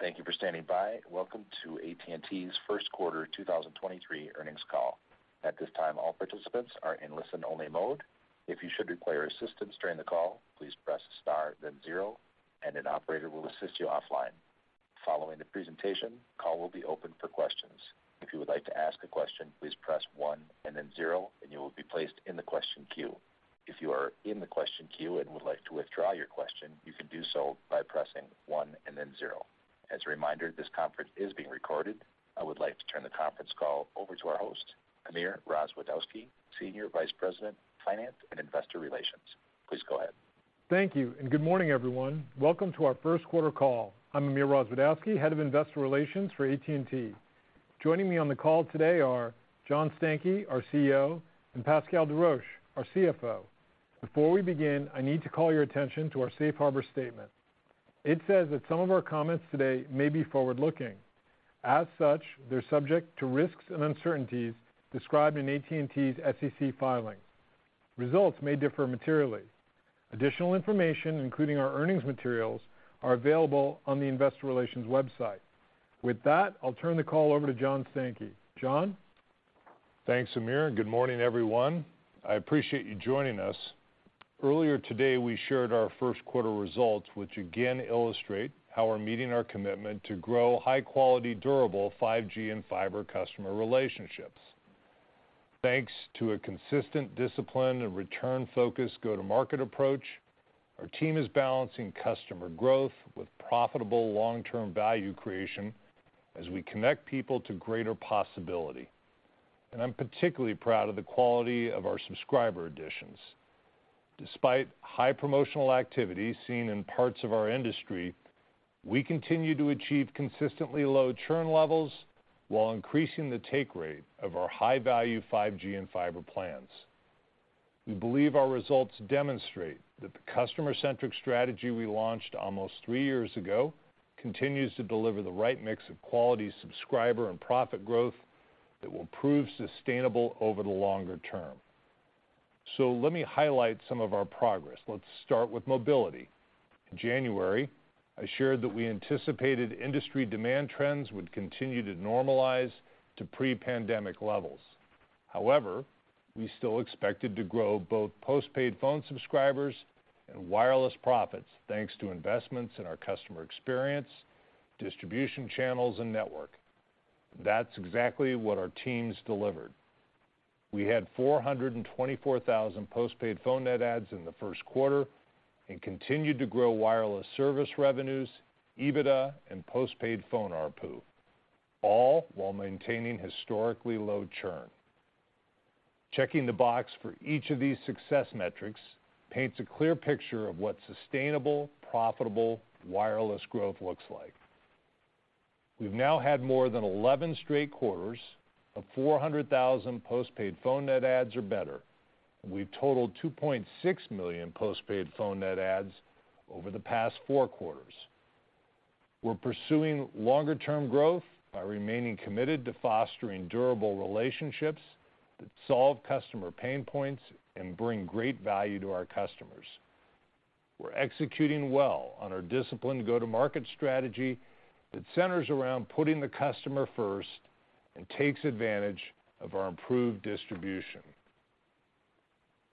Thank you for standing by. Welcome to AT&T's Q1 2023 Earnings Call. At this time, all participants are in listen-only mode. If you should require assistance during the call, please press star, then zero, and an operator will assist you offline. Following the presentation, call will be open for questions. If you would like to ask a question, please press one and then zero, and you will be placed in the question queue. If you are in the question queue and would like to withdraw your question, you can do so by pressing one and then zero. As a reminder, this conference is being recorded. I would like to turn the conference call over to our host, Amir Rozwadowski, Senior Vice President, Finance and Investor Relations. Please go ahead. Thank you, and good morning, everyone. Welcome to our Q1 Call. I'm Amir Rozwadowski, Head of Investor Relations for AT&T. Joining me on the call today are John Stankey, our CEO, and Pascal Desroches, our CFO. Before we begin, I need to call your attention to our Safe Harbor statement. It says that some of our comments today may be forward-looking. As such, they're subject to risks and uncertainties described in AT&T's SEC filings. Results may differ materially. Additional information, including our earnings materials, are available on the Investor Relations website. With that, I'll turn the call over to John Stankey. John? Thanks, Amir. Good morning, everyone. I appreciate you joining us. Earlier today, we shared our Q1 results, which again illustrate how we're meeting our commitment to grow high-quality, durable 5G and fiber customer relationships. Thanks to a consistent discipline and return focus go-to-market approach, our team is balancing customer growth with profitable long-term value creation as we connect people to greater possibility. I'm particularly proud of the quality of our subscriber additions. Despite high promotional activity seen in parts of our industry, we continue to achieve consistently low churn levels while increasing the take rate of our high-value 5G and fiber plans. We believe our results demonstrate that the customer-centric strategy we launched almost three years ago continues to deliver the right mix of quality subscriber and profit growth that will prove sustainable over the longer term. Let me highlight some of our progress. Let's start with mobility. In January, I shared that we anticipated industry demand trends would continue to normalize to pre-pandemic levels. However, we still expected to grow both postpaid phone subscribers and wireless profits, thanks to investments in our customer experience, distribution channels, and network. That's exactly what our teams delivered. We had 424,000 postpaid phone net adds in the Q1 and continued to grow wireless service revenues, EBITDA, and postpaid phone ARPU, all while maintaining historically low churn. Checking the box for each of these success metrics paints a clear picture of what sustainable, profitable wireless growth looks like. We've now had more than 11 straight quarters of 400,000 postpaid phone net adds or better. We've totaled 2.6 million postpaid phone net adds over the past Q4. We're pursuing longer-term growth by remaining committed to fostering durable relationships that solve customer pain points and bring great value to our customers. We're executing well on our disciplined go-to-market strategy that centers around putting the customer first and takes advantage of our improved distribution.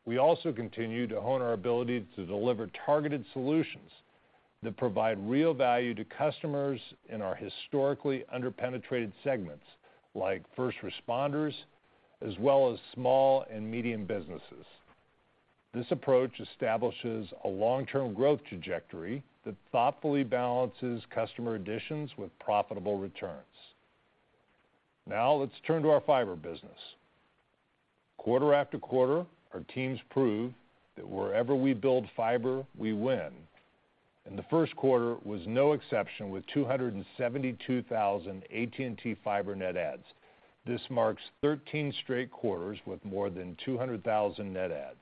We also continue to hone our ability to deliver targeted solutions that provide real value to customers in our historically under-penetrated segments, like first responders, as well as small and medium businesses. This approach establishes a long-term growth trajectory that thoughtfully balances customer additions with profitable returns. Let's turn to our fiber business. Quarter-after-quarter, our teams prove that wherever we build fiber, we win, and the Q1 was no exception with 272,000 AT&T Fiber net adds. This marks 13 straight quarters with more than 200,000 net adds.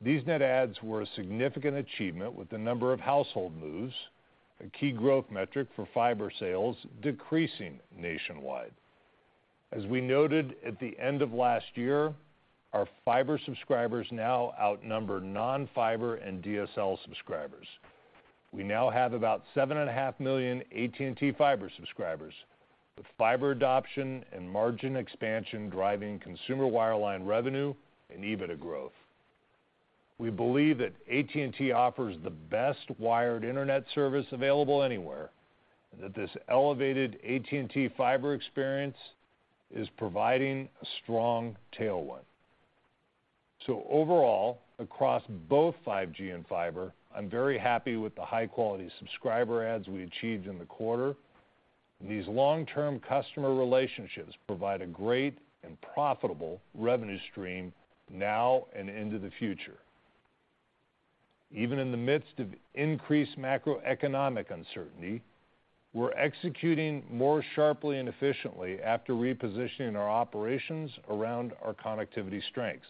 These net adds were a significant achievement with the number of household moves, a key growth metric for fiber sales decreasing nationwide. As we noted at the end of last year, our fiber subscribers now outnumber non-fiber and DSL subscribers. We now have about 7.5 million AT&T Fiber subscribers, with fiber adoption and margin expansion driving consumer wireline revenue and EBITDA growth. We believe that AT&T offers the best wired internet service available anywhere, and that this elevated AT&T Fiber experience is providing a strong tailwind. Overall, across both 5G and fiber, I'm very happy with the high-quality subscriber adds we achieved in the quarter. These long-term customer relationships provide a great and profitable revenue stream now and into the future. Even in the midst of increased macroeconomic uncertainty, we're executing more sharply and efficiently after repositioning our operations around our connectivity strengths.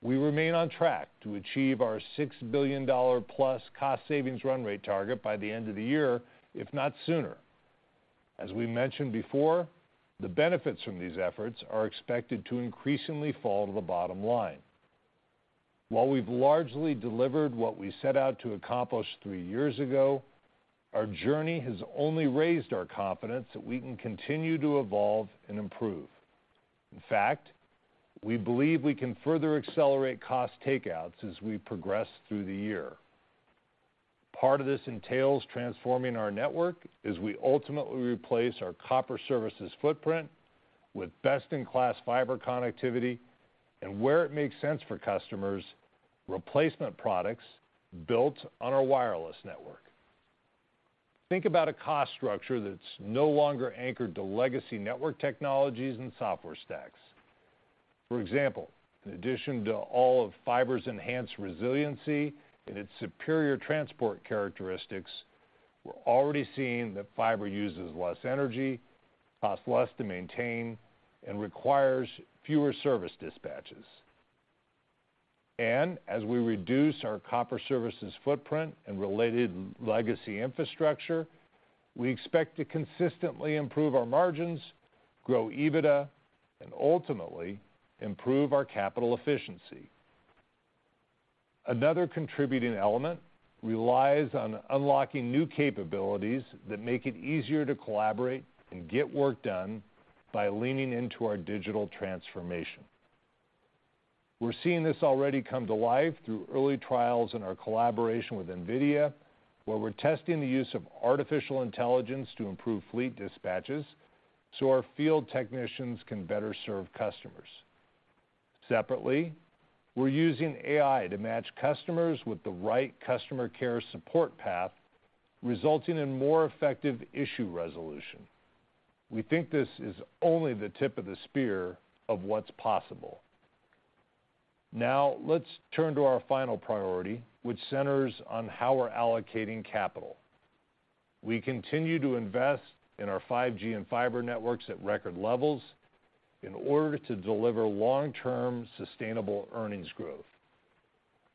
We remain on track to achieve our $6 billion-plus cost savings run rate target by the end of the year, if not sooner. As we mentioned before, the benefits from these efforts are expected to increasingly fall to the bottom line. While we've largely delivered what we set out to accomplish three years ago, our journey has only raised our confidence that we can continue to evolve and improve. In fact, we believe we can further accelerate cost take-outs as we progress through the year. Part of this entails transforming our network as we ultimately replace our copper services footprint with best-in-class fiber connectivity and where it makes sense for customers, replacement products built on our wireless network. Think about a cost structure that's no longer anchored to legacy network technologies and software stacks. For example, in addition to all of Fiber's enhanced resiliency and its superior transport characteristics, we're already seeing that Fiber uses less energy, costs less to maintain, and requires fewer service dispatches. As we reduce our copper services footprint and related legacy infrastructure, we expect to consistently improve our margins, grow EBITDA, and ultimately improve our capital efficiency. Another contributing element relies on unlocking new capabilities that make it easier to collaborate and get work done by leaning into our digital transformation. We're seeing this already come to life through early trials in our collaboration with NVIDIA, where we're testing the use of artificial intelligence to improve fleet dispatches so our field technicians can better serve customers. Separately, we're using AI to match customers with the right customer care support path, resulting in more effective issue resolution. We think this is only the tip of the spear of what's possible. Let's turn to our final priority, which centers on how we're allocating capital. We continue to invest in our 5G and fiber networks at record levels in order to deliver long-term sustainable earnings growth.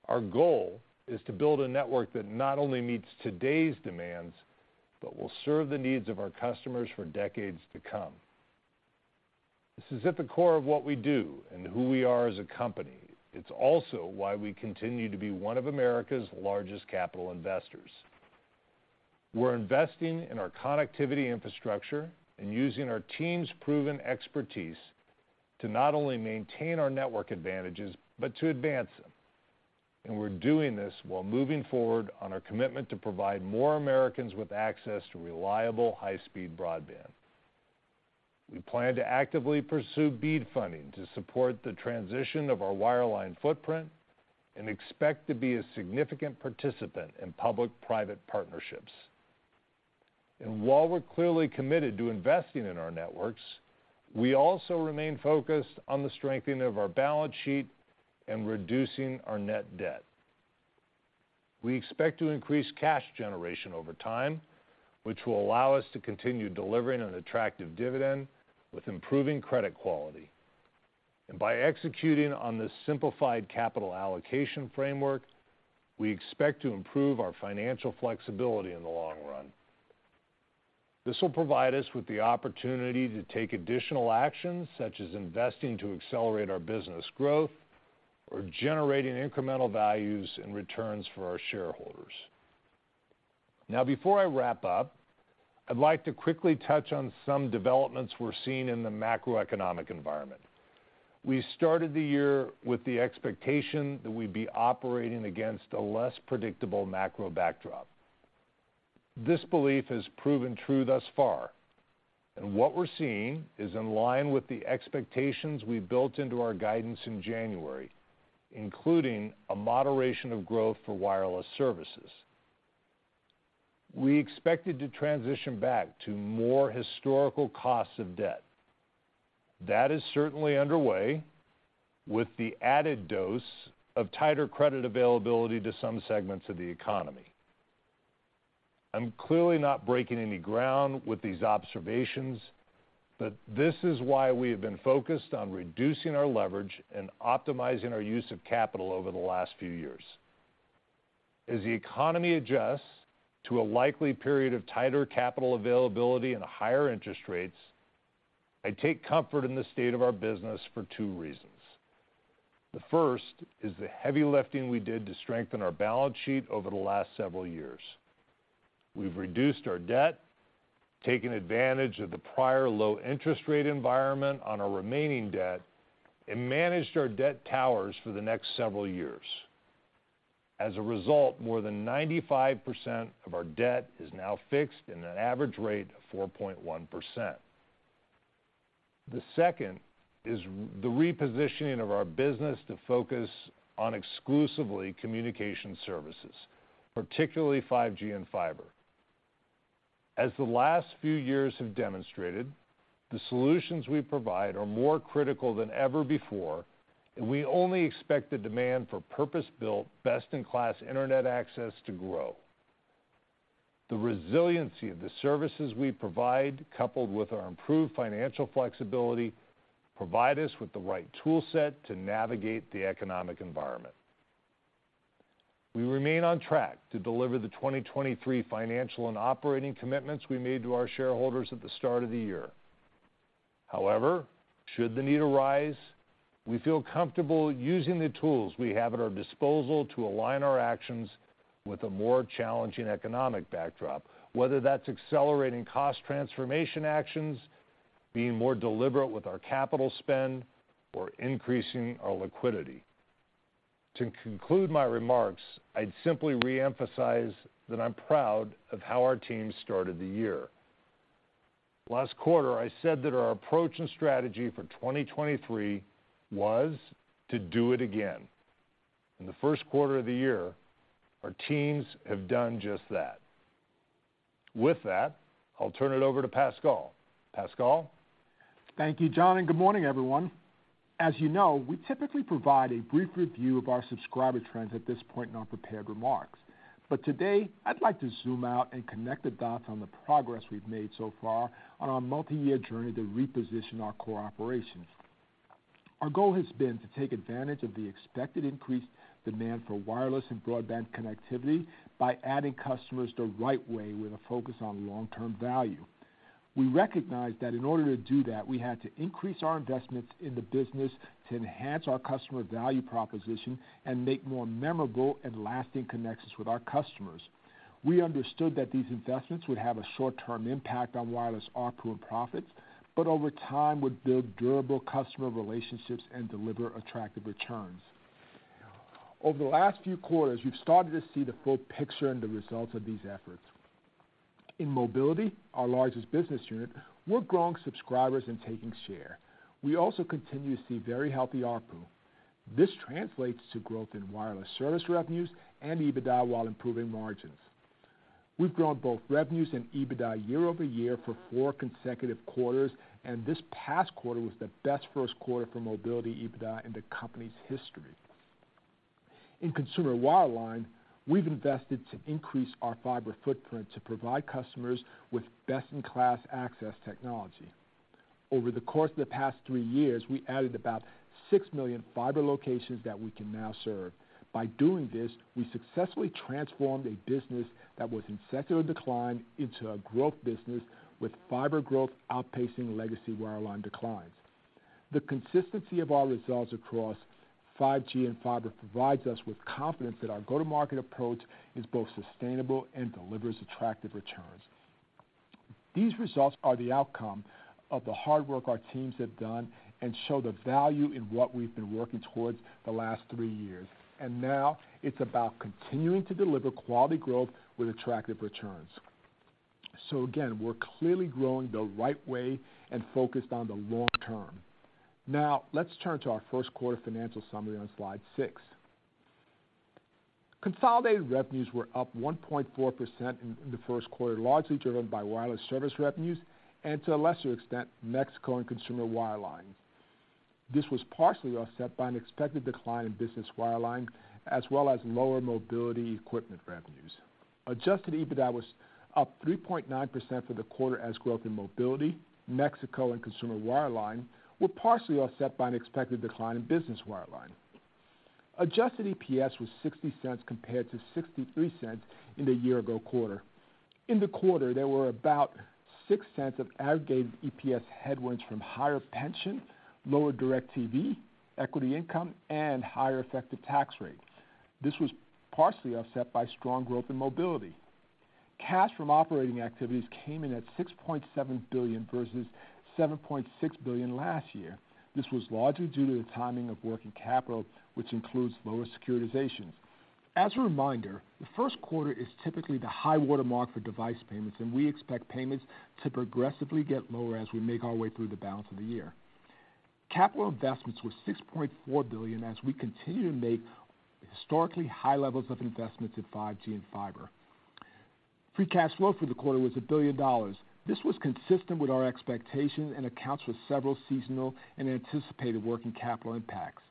Our goal is to build a network that not only meets today's demands, but will serve the needs of our customers for decades to come. This is at the core of what we do and who we are as a company. It's also why we continue to be one of America's largest capital investors. We're investing in our connectivity infrastructure and using our team's proven expertise to not only maintain our network advantages, but to advance them. We're doing this while moving forward on our commitment to provide more Americans with access to reliable, high-speed broadband. We plan to actively pursue BEAD funding to support the transition of our wireline footprint and expect to be a significant participant in public-private partnerships. While we're clearly committed to investing in our networks, we also remain focused on the strengthening of our balance sheet and reducing our net debt. We expect to increase cash generation over time, which will allow us to continue delivering an attractive dividend with improving credit quality. By executing on this simplified capital allocation framework, we expect to improve our financial flexibility in the long run. This will provide us with the opportunity to take additional actions, such as investing to accelerate our business growth or generating incremental values and returns for our shareholders. Now before I wrap up, I'd like to quickly touch on some developments we're seeing in the macroeconomic environment. We started the year with the expectation that we'd be operating against a less predictable macro backdrop. This belief has proven true thus far, what we're seeing is in line with the expectations we built into our guidance in January, including a moderation of growth for wireless services. We expected to transition back to more historical costs of debt. That is certainly underway with the added dose of tighter credit availability to some segments of the economy. I'm clearly not breaking any ground with these observations, this is why we have been focused on reducing our leverage and optimizing our use of capital over the last few years. As the economy adjusts to a likely period of tighter capital availability and higher interest rates, I take comfort in the state of our business for two reasons. The first is the heavy lifting we did to strengthen our balance sheet over the last several years. We've reduced our debt, taken advantage of the prior low interest rate environment on our remaining debt, and managed our debt towers for the next several years. As a result, more than 95% of our debt is now fixed in an average rate of 4.1%. The second is the repositioning of our business to focus on exclusively communication services, particularly 5G and fiber. As the last few years have demonstrated, the solutions we provide are more critical than ever before, and we only expect the demand for purpose-built, best-in-class internet access to grow. The resiliency of the services we provide, coupled with our improved financial flexibility, provide us with the right tool set to navigate the economic environment. We remain on track to deliver the 2023 financial and operating commitments we made to our shareholders at the start of the year. Should the need arise, we feel comfortable using the tools we have at our disposal to align our actions with a more challenging economic backdrop, whether that's accelerating cost transformation actions, being more deliberate with our capital spend, or increasing our liquidity. To conclude my remarks, I'd simply re-emphasize that I'm proud of how our team started the year. Last quarter, I said that our approach and strategy for 2023 was to do it again. In the Q1 of the year, our teams have done just that. With that, I'll turn it over to Pascal. Pascal? Thank you, John. Good morning, everyone. As you know, we typically provide a brief review of our subscriber trends at this point in our prepared remarks. Today, I'd like to zoom out and connect the dots on the progress we've made so far on our multi-year journey to reposition our core operations. Our goal has been to take advantage of the expected increased demand for wireless and broadband connectivity by adding customers the right way with a focus on long-term value. We recognize that in order to do that, we had to increase our investments in the business to enhance our customer value proposition and make more memorable and lasting connections with our customers. We understood that these investments would have a short-term impact on wireless ARPU and profits, but over time would build durable customer relationships and deliver attractive returns. Over the last few quarters, you've started to see the full picture and the results of these efforts. In mobility, our largest business unit, we're growing subscribers and taking share. We also continue to see very healthy ARPU. This translates to growth in wireless service revenues and EBITDA while improving margins. We've grown both revenues and EBITDA year-over-year for 4 consecutive quarters, and this past quarter was the best Q1 for mobility EBITDA in the company's history. In consumer wireline, we've invested to increase our fiber footprint to provide customers with best-in-class access technology. Over the course of the past 3 years, we added about 6 million fiber locations that we can now serve. By doing this, we successfully transformed a business that was in secular decline into a growth business with fiber growth outpacing legacy wireline declines. The consistency of our results across 5G and fiber provides us with confidence that our go-to-market approach is both sustainable and delivers attractive returns. These results are the outcome of the hard work our teams have done and show the value in what we've been working towards the last three years. Now it's about continuing to deliver quality growth with attractive returns. Again, we're clearly growing the right way and focused on the long term. Now let's turn to our Q1 financial summary on slide 6. Consolidated revenues were up 1.4% in the Q1, largely driven by wireless service revenues and to a lesser extent, Mexico and consumer wireline. This was partially offset by an expected decline in business wireline, as well as lower mobility equipment revenues. Adjusted EBITDA was up 3.9% for the quarter as growth in mobility, Mexico, and consumer wireline were partially offset by an expected decline in business wireline. Adjusted EPS was $0.60 compared to $0.63 in the year-ago quarter. In the quarter, there were about $0.06 of aggregated EPS headwinds from higher pension, lower DirecTV, equity income, and higher effective tax rate. This was partially offset by strong growth in mobility. Cash from operating activities came in at $6.7 billion versus $7.6 billion last year. This was largely due to the timing of working capital, which includes lower securitizations. As a reminder, the Q1 is typically the high-water mark for device payments, and we expect payments to progressively get lower as we make our way through the balance of the year. Capital investments were $6.4 billion as we continue to make historically high levels of investments in 5G and fiber. Free cash flow for the quarter was $1 billion. This was consistent with our expectation and accounts for several seasonal and anticipated working capital impacts.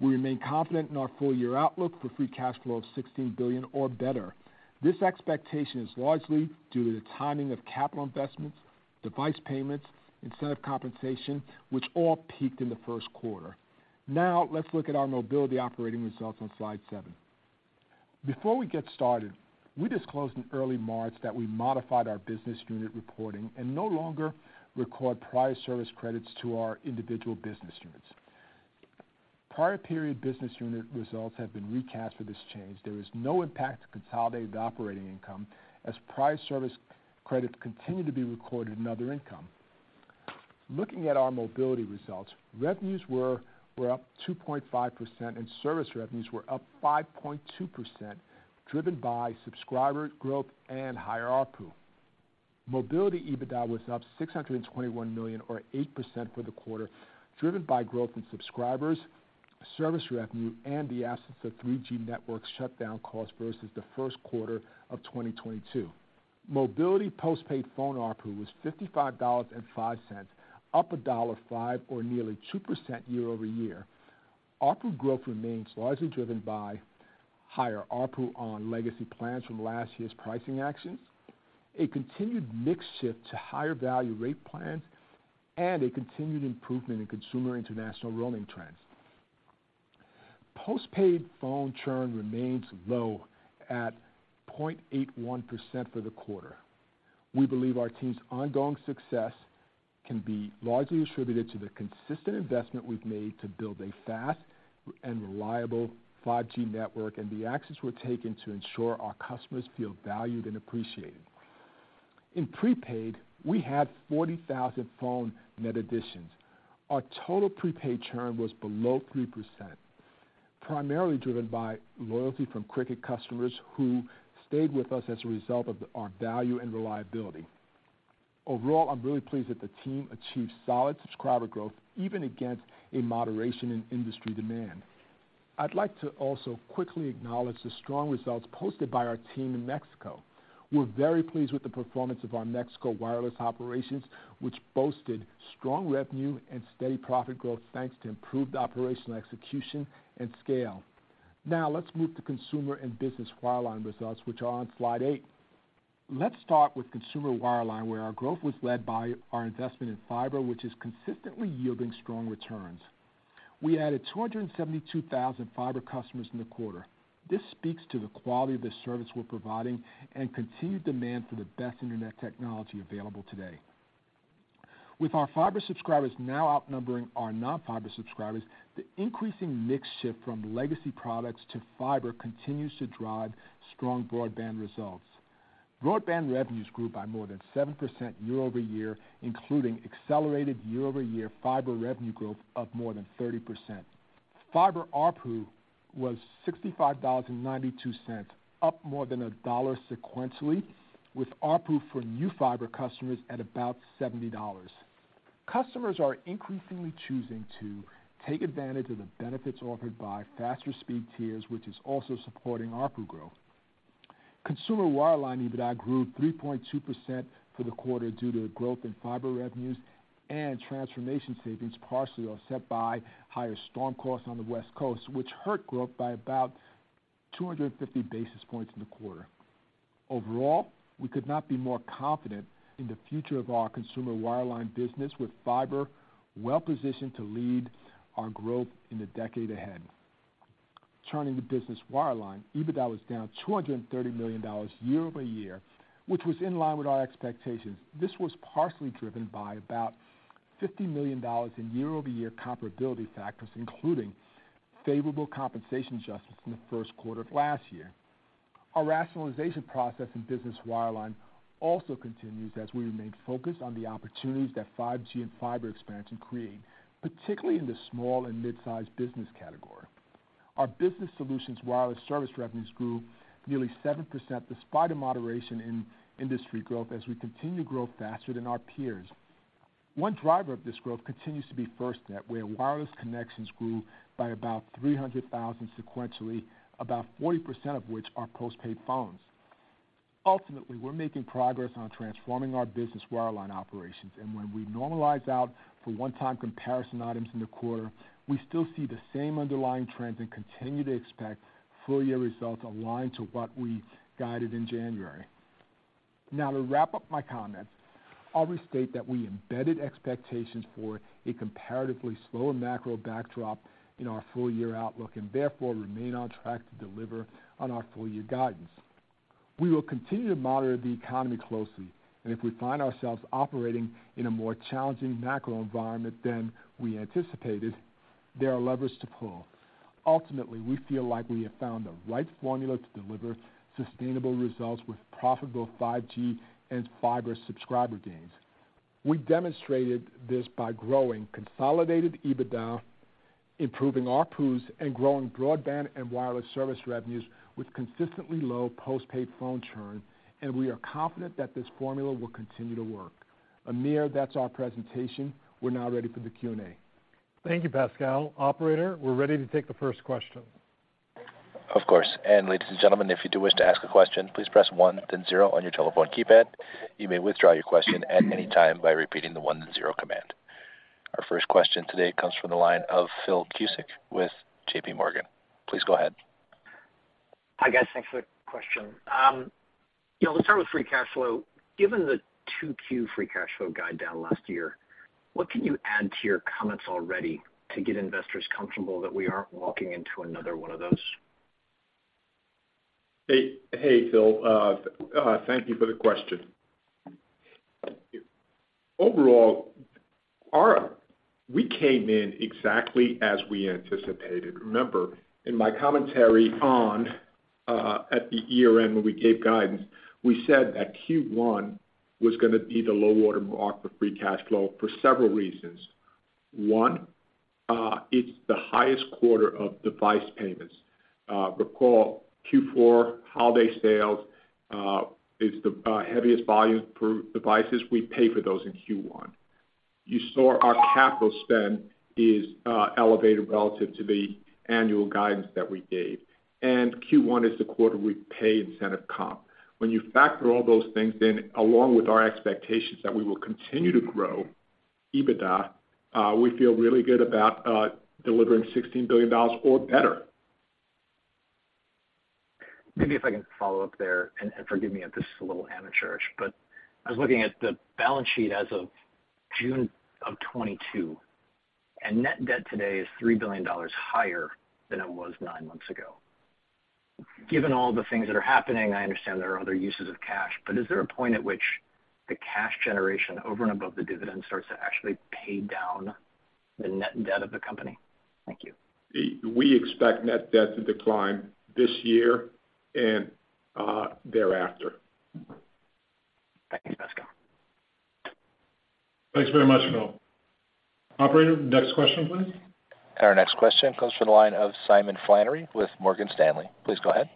We remain confident in our full-year outlook for free cash flow of $16 billion or better. This expectation is largely due to the timing of capital investments, device payments, incentive compensation, which all peaked in the Q1. Let's look at our mobility operating results on slide 7. Before we get started, we disclosed in early March that we modified our business unit reporting and no longer record prior service credits to our individual business units. Prior period business unit results have been recast for this change. There is no impact to consolidated operating income as prior service credits continue to be recorded in other income. Looking at our mobility results, revenues were up 2.5%, and service revenues were up 5.2%, driven by subscriber growth and higher ARPU. Mobility EBITDA was up $621 million or 8% for the quarter, driven by growth in subscribers, service revenue, and the absence of 3G network shutdown costs versus the Q1 of 2022. Mobility postpaid phone ARPU was $55.05, up $1.05 or nearly 2% year-over-year. ARPU growth remains largely driven by higher ARPU on legacy plans from last year's pricing actions. A continued mix shift to higher value rate plans and a continued improvement in consumer international roaming trends. Postpaid phone churn remains low at 0.81% for the quarter. We believe our team's ongoing success can be largely attributed to the consistent investment we've made to build a fast and reliable 5G network and the actions we're taking to ensure our customers feel valued and appreciated. In prepaid, we had 40,000 phone net additions. Our total prepaid churn was below 3%, primarily driven by loyalty from Cricket customers who stayed with us as a result of our value and reliability. Overall, I'm really pleased that the team achieved solid subscriber growth even against a moderation in industry demand. I'd like to also quickly acknowledge the strong results posted by our team in Mexico. We're very pleased with the performance of our Mexico wireless operations, which boasted strong revenue and steady profit growth thanks to improved operational execution and scale. Let's move to consumer and business wireline results, which are on slide 8. Let's start with consumer wireline, where our growth was led by our investment in fiber, which is consistently yielding strong returns. We added 272,000 fiber customers in the quarter. This speaks to the quality of the service we're providing and continued demand for the best internet technology available today. With our fiber subscribers now outnumbering our non-fiber subscribers, the increasing mix shift from legacy products to fiber continues to drive strong broadband results. Broadband revenues grew by more than 7% year-over-year, including accelerated year-over-year fiber revenue growth of more than 30%. Fiber ARPU was $65.92, up more than $1 sequentially, with ARPU for new fiber customers at about $70. Customers are increasingly choosing to take advantage of the benefits offered by faster speed tiers, which is also supporting ARPU growth. Consumer wireline EBITDA grew 3.2% for the quarter due to growth in fiber revenues and transformation savings, partially offset by higher storm costs on the West Coast, which hurt growth by about 250 basis points in the quarter. Overall, we could not be more confident in the future of our consumer wireline business, with fiber well positioned to lead our growth in the decade ahead. Turning to business wireline, EBITDA was down $230 million year-over-year, which was in line with our expectations. This was partially driven by about $50 million in year-over-year comparability factors, including favorable compensation adjustments in the Q1 of last year. Our rationalization process in business wireline also continues as we remain focused on the opportunities that 5G and fiber expansion create, particularly in the small and mid-sized business category. Our business solutions wireless service revenues grew nearly 7% despite a moderation in industry growth as we continue to grow faster than our peers. One driver of this growth continues to be FirstNet, where wireless connections grew by about 300,000 sequentially, about 40% of which are postpaid phones. Ultimately, we're making progress on transforming our business wireline operations. When we normalize out for one-time comparison items in the quarter, we still see the same underlying trends and continue to expect full-year results aligned to what we guided in January. To wrap up my comments, I'll restate that we embedded expectations for a comparatively slower macro backdrop in our full-year outlook and therefore remain on track to deliver on our full-year guidance. We will continue to monitor the economy closely, if we find ourselves operating in a more challenging macro environment than we anticipated, there are levers to pull. Ultimately, we feel like we have found the right formula to deliver sustainable results with profitable 5G and fiber subscriber gains. We demonstrated this by growing consolidated EBITDA, improving ARPUs, and growing broadband and wireless service revenues with consistently low postpaid phone churn. We are confident that this formula will continue to work. Amir, that's our presentation. We're now ready for the Q&A. Thank you, Pascal. Operator, we're ready to take the first question. Of course. Ladies and gentlemen, if you do wish to ask a question, please press one then zero on your telephone keypad. You may withdraw your question at any time by repeating the one then zero command. Our first question today comes from the line of Phil Cusick with JPMorgan. Please go ahead. Hi, guys. Thanks for the question. Yeah, let's start with free cash flow. Given the Q2 free cash flow guide down last year, what can you add to your comments already to get investors comfortable that we aren't walking into another one of those? Hey, hey, Phil, thank you for the question. Overall, we came in exactly as we anticipated. Remember, in my commentary on at the year-end when we gave guidance, we said that Q1 was gonna be the low water mark for free cash flow for several reasons. One, it's the highest quarter of device payments. Recall Q4 holiday sales is the heaviest volume for devices. We pay for those in Q1. You saw our capital spend is elevated relative to the annual guidance that we gave, and Q1 is the quarter we pay incentive comp. When you factor all those things in, along with our expectations that we will continue to grow EBITDA, we feel really good about delivering $16 billion or better. Maybe if I can follow up there, and forgive me if this is a little amateurish, but I was looking at the balance sheet as of June of 2022, and net debt today is $3 billion higher than it was 9 months ago. Given all the things that are happening, I understand there are other uses of cash, but is there a point at which the cash generation over and above the dividend starts to actually pay down the net debt of the company? Thank you. We expect net debt to decline this year and thereafter. Thank you, Pascal. Thanks very much, Phil. Operator, next question, please. Our next question comes from the line of Simon Flannery with Morgan Stanley. Please go ahead.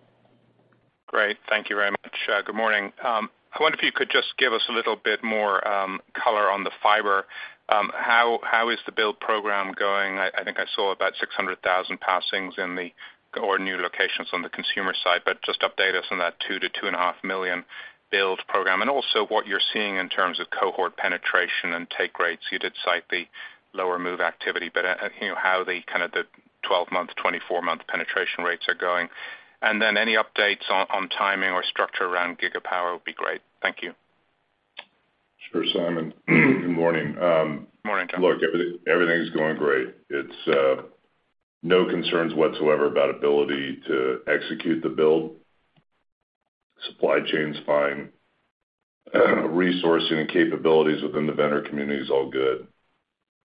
Great. Thank you very much. Good morning. I wonder if you could just give us a little bit more color on the fiber. How is the build program going? I think I saw about 600,000 passings or new locations on the consumer side, but just update us on that 2 million-2.5 million build program. Also what you're seeing in terms of cohort penetration and take rates. You did cite the lower move activity, but, you know, how the kind of the 12-month, 24-month penetration rates are going. Any updates on timing or structure around Gigapower would be great. Thank you. Sure, Simon. Good morning. Morning, John. Everything is going great. It's no concerns whatsoever about ability to execute the build. Supply chain's fine. Resourcing and capabilities within the vendor community is all good.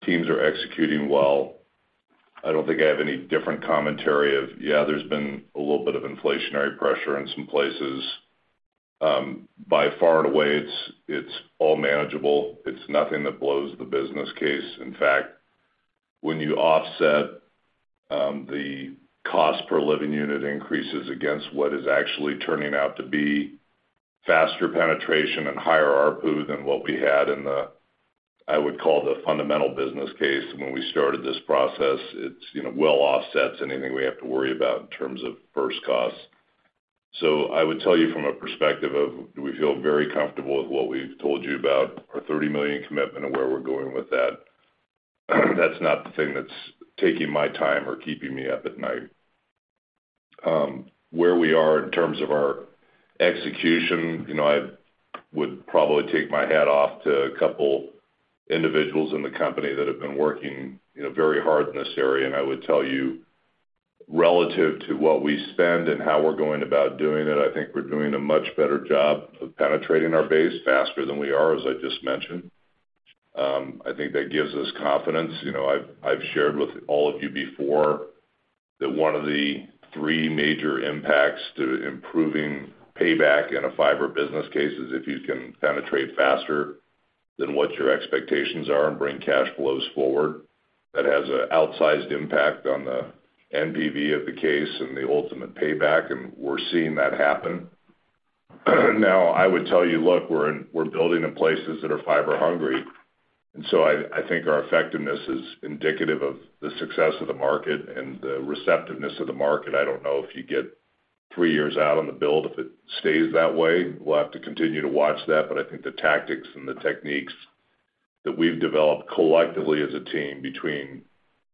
Teams are executing well. I don't think I have any different commentary of, yeah, there's been a little bit of inflationary pressure in some places. By far and away, it's all manageable. It's nothing that blows the business case. In fact, when you offset the cost per living unit increases against what is actually turning out to be faster penetration and higher ARPU than what we had in the, I would call the fundamental business case when we started this process, it's, you know, well offsets anything we have to worry about in terms of first costs. I would tell you from a perspective of, we feel very comfortable with what we've told you about our 30 million commitment and where we're going with that. That's not the thing that's taking my time or keeping me up at night. Where we are in terms of our execution, you know, I would probably take my hat off to a couple individuals in the company that have been working, you know, very hard in this area. I would tell you, relative to what we spend and how we're going about doing it, I think we're doing a much better job of penetrating our base faster than we are, as I just mentioned. I think that gives us confidence. You know, I've shared with all of you before that one of the three major impacts to improving payback in a fiber business case is if you can penetrate faster than what your expectations are and bring cash flows forward, that has an outsized impact on the NPV of the case and the ultimate payback, and we're seeing that happen. I would tell you, look, we're building in places that are fiber hungry, and so I think our effectiveness is indicative of the success of the market and the receptiveness of the market. I don't know if you get three years out on the build, if it stays that way. We'll have to continue to watch that. I think the tactics and the techniques that we've developed collectively as a team between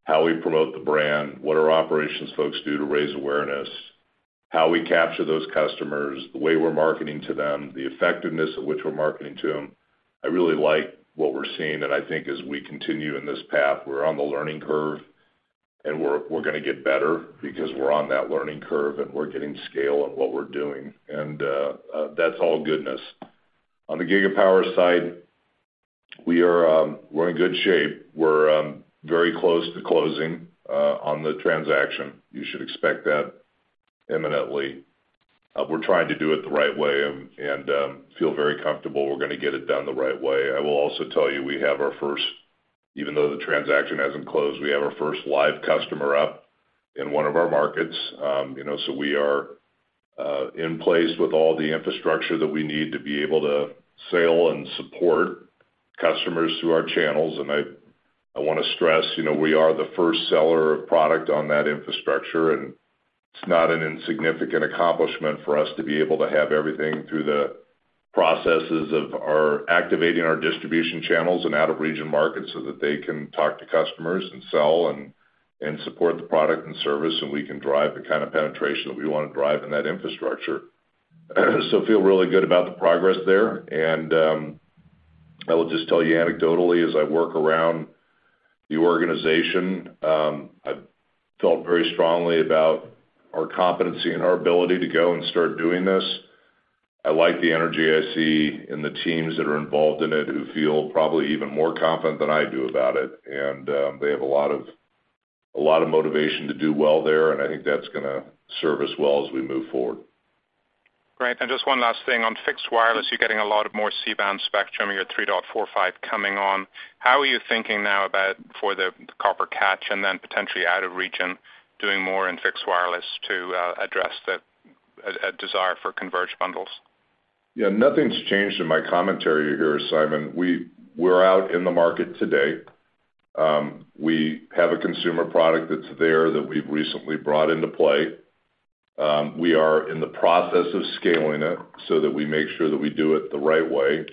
how we promote the brand, what our operations folks do to raise awareness, how we capture those customers, the way we're marketing to them, the effectiveness at which we're marketing to them, I really like what we're seeing. I think as we continue in this path, we're on the learning curve and we're gonna get better because we're on that learning curve and we're getting scale on what we're doing. That's all goodness. On the Gigapower side, we are, we're in good shape. We're very close to closing on the transaction. You should expect that imminently. We're trying to do it the right way and feel very comfortable we're gonna get it done the right way. I will also tell you, we have our first... Even though the transaction hasn't closed, we have our first live customer up in one of our markets. You know, we are in place with all the infrastructure that we need to be able to sell and support customers through our channels. I wanna stress, you know, we are the first seller of product on that infrastructure, and it's not an insignificant accomplishment for us to be able to have everything through the processes of our activating our distribution channels and out-of-region markets so that they can talk to customers and sell and support the product and service, and we can drive the kind of penetration that we wanna drive in that infrastructure. Feel really good about the progress there. I will just tell you anecdotally, as I work around the organization, I felt very strongly about our competency and our ability to go and start doing this. I like the energy I see in the teams that are involved in it, who feel probably even more confident than I do about it. They have a lot of motivation to do well there, and I think that's gonna serve us well as we move forward. Great. Just one last thing. On fixed wireless, you're getting a lot of more C-band spectrum, your 3.45 GHz coming on. How are you thinking now about for the copper catch and then potentially out of region doing more in fixed wireless to address the desire for converged bundles? Nothing's changed in my commentary here, Simon. We're out in the market today. We have a consumer product that's there that we've recently brought into play. We are in the process of scaling it so that we make sure that we do it the right way.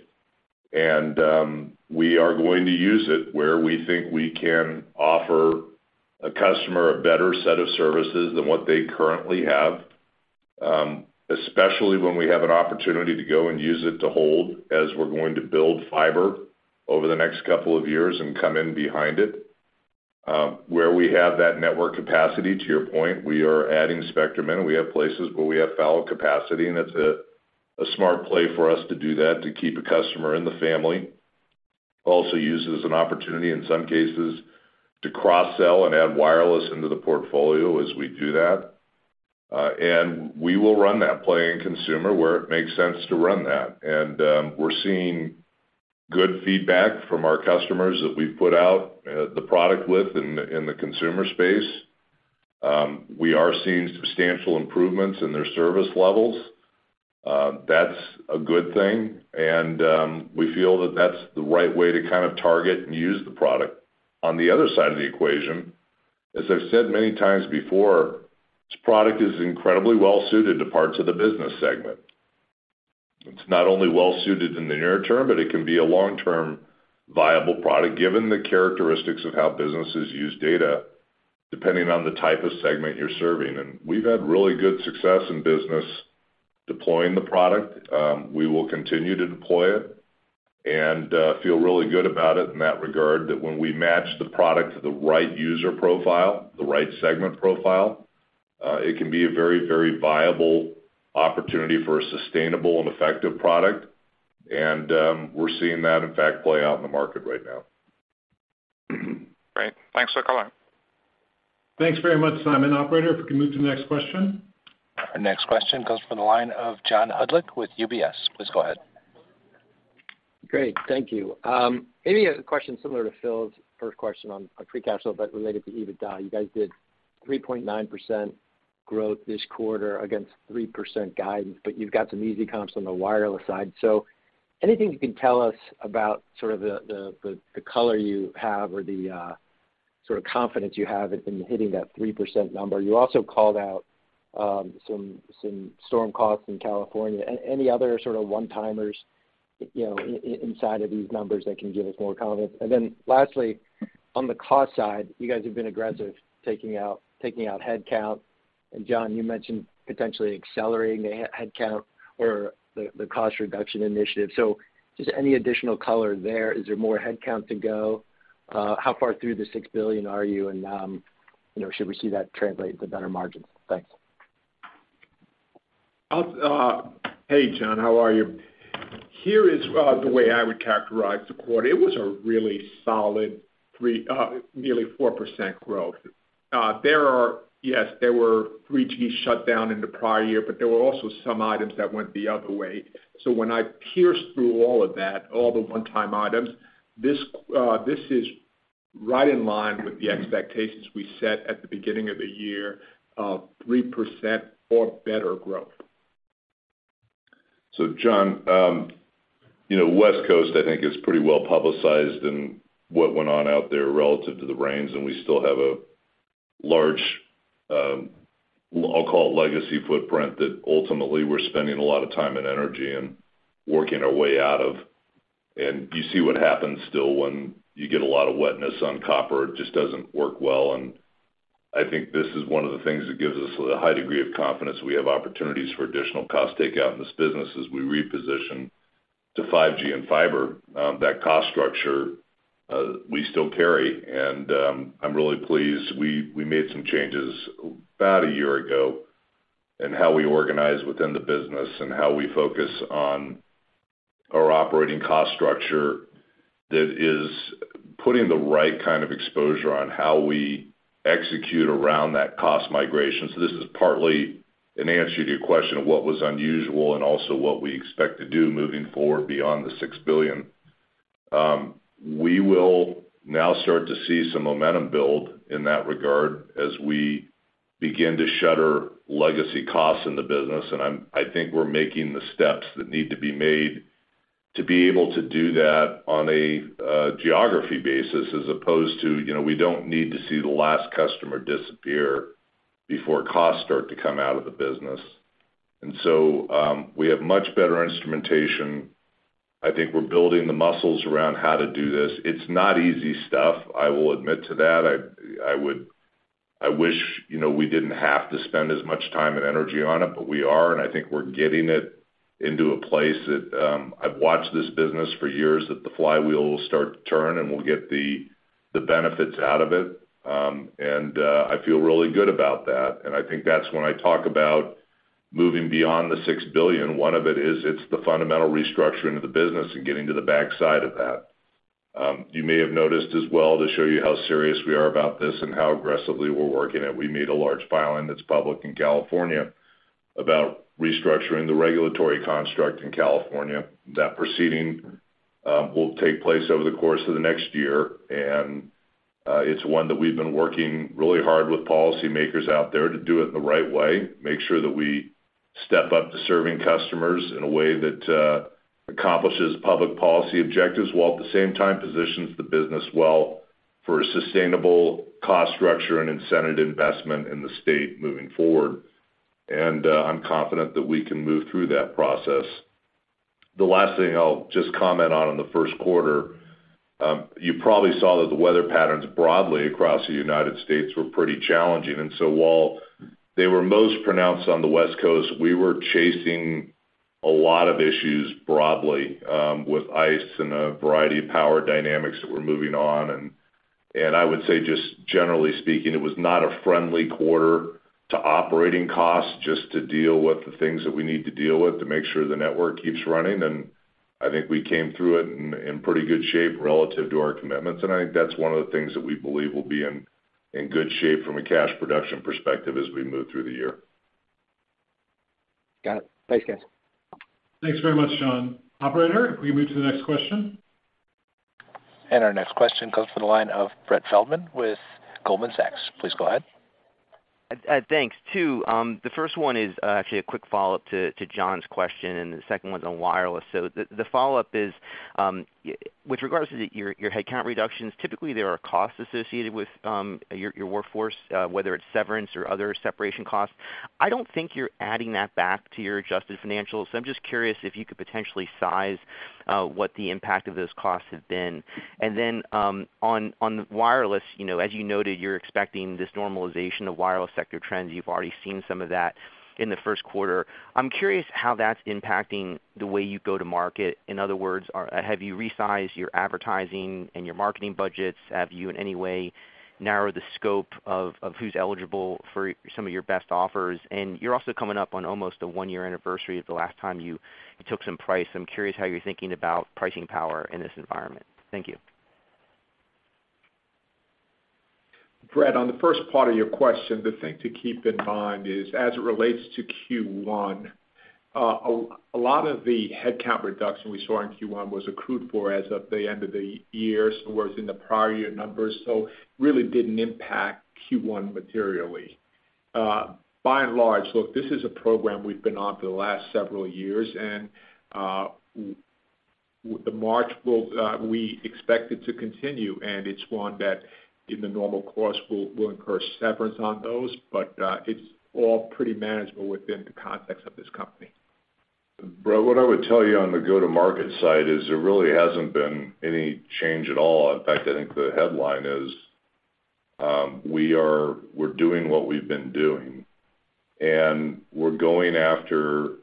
We are going to use it where we think we can offer a customer a better set of services than what they currently have, especially when we have an opportunity to go and use it to hold as we're going to build fiber over the next couple of years and come in behind it. Where we have that network capacity, to your point, we are adding spectrum in. We have places where we have foul capacity, and it's a smart play for us to do that to keep a customer in the family. Also use it as an opportunity in some cases to cross-sell and add wireless into the portfolio as we do that. We will run that play in consumer where it makes sense to run that. We're seeing good feedback from our customers that we've put out the product with in the consumer space. We are seeing substantial improvements in their service levels. That's a good thing, and we feel that that's the right way to kind of target and use the product. On the other side of the equation, as I've said many times before, this product is incredibly well suited to parts of the business segment. It's not only well suited in the near term, but it can be a long-term viable product, given the characteristics of how businesses use data, depending on the type of segment you're serving. We've had really good success in business deploying the product. We will continue to deploy it and feel really good about it in that regard, that when we match the product to the right user profile, the right segment profile, it can be a very, very viable opportunity for a sustainable and effective product. We're seeing that, in fact, play out in the market right now. Great. Thanks so much. Thanks very much, Simon. Operator, if we can move to the next question. Our next question comes from the line of John Hodulik with UBS. Please go ahead. Great. Thank you. Maybe a question similar to Phil's first question on pre-capital, but related to EBITDA. You guys did 3.9% growth this quarter against 3% guidance, but you've got some easy comps on the wireless side. Anything you can tell us about sort of the color you have or the sort of confidence you have in hitting that 3% number? You also called out some storm costs in California. Any other sort of one-timers, you know, inside of these numbers that can give us more confidence? Lastly, on the cost side, you guys have been aggressive taking out headcount. John, you mentioned potentially accelerating the headcount or the cost reduction initiative. Just any additional color there. Is there more headcount to go? How far through the $6 billion are you? You know, should we see that translate into better margins? Thanks. Hey, John, how are you? Here is the way I would characterize the quarter. It was a really solid 3, nearly 4% growth. Yes, there were 3G shut down in the prior year, but there were also some items that went the other way. When I pierce through all of that, all the one-time items, this is right in line with the expectations we set at the beginning of the year of 3% or better growth. John, you know, West Coast, I think, is pretty well-publicized in what went on out there relative to the rains, and we still have a large, I'll call it legacy footprint that ultimately we're spending a lot of time and energy and working our way out of. And you see what happens still when you get a lot of wetness on copper, it just doesn't work well. And I think this is one of the things that gives us a high degree of confidence we have opportunities for additional cost takeout in this business as we reposition to 5G and fiber, that cost structure, we still carry. I'm really pleased we made some changes about a year ago in how we organize within the business and how we focus on our operating cost structure that is putting the right kind of exposure on how we execute around that cost migration. This is partly an answer to your question of what was unusual and also what we expect to do moving forward beyond the $6 billion. We will now start to see some momentum build in that regard as we begin to shutter legacy costs in the business. I think we're making the steps that need to be made to be able to do that on a geography basis as opposed to, you know, we don't need to see the last customer disappear before costs start to come out of the business. We have much better instrumentation. I think we're building the muscles around how to do this. It's not easy stuff, I will admit to that. I wish, you know, we didn't have to spend as much time and energy on it. We are, and I think we're getting it into a place that, I've watched this business for years, that the flywheel will start to turn, and we'll get the benefits out of it. I feel really good about that. I think that's when I talk about moving beyond the $6 billion, one of it is it's the fundamental restructuring of the business and getting to the backside of that. You may have noticed as well, to show you how serious we are about this and how aggressively we're working it, we made a large filing that's public in California about restructuring the regulatory construct in California. That proceeding will take place over the course of the next year, and it's one that we've been working really hard with policymakers out there to do it the right way, make sure that we step up to serving customers in a way that accomplishes public policy objectives, while at the same time positions the business well for a sustainable cost structure and incentive investment in the state moving forward. I'm confident that we can move through that process. The last thing I'll just comment on in the Q1, you probably saw that the weather patterns broadly across the U.S. were pretty challenging. While they were most pronounced on the West Coast, we were chasing a lot of issues broadly, with ice and a variety of power dynamics that were moving on. I would say, just generally speaking, it was not a friendly quarter to operating costs just to deal with the things that we need to deal with to make sure the network keeps running. I think we came through it in pretty good shape relative to our commitments. I think that's one of the things that we believe will be in good shape from a cash production perspective as we move through the year. Got it. Thanks, guys. Thanks very much, John. Operator, can we move to the next question? Our next question comes from the line of Brett Feldman with Goldman Sachs. Please go ahead. Thanks. Two, the first one is actually a quick follow-up to John's question. The second one's on wireless. The follow-up is with regards to your headcount reductions, typically, there are costs associated with your workforce, whether it's severance or other separation costs. I don't think you're adding that back to your adjusted financials. I'm just curious if you could potentially size what the impact of those costs have been. On wireless, you know, as you noted, you're expecting this normalization of wireless sector trends. You've already seen some of that in the Q1. I'm curious how that's impacting the way you go to market. In other words, have you resized your advertising and your marketing budgets? Have you, in any way, narrowed the scope of who's eligible for some of your best offers? You're also coming up on almost a one-year anniversary of the last time you took some price. I'm curious how you're thinking about pricing power in this environment. Thank you. Brett, on the first part of your question, the thing to keep in mind is, as it relates to Q1, a lot of the headcount reduction we saw in Q1 was accrued for as of the end of the year, so it was in the prior year numbers, so really didn't impact Q1 materially. By and large, look, this is a program we've been on for the last several years, and the march will, we expect it to continue, and it's one that in the normal course will incur severance on those, but it's all pretty manageable within the context of this company. Brett, what I would tell you on the go-to-market side is there really hasn't been any change at all. In fact, I think the headline is, we're doing what we've been doing. We're going after,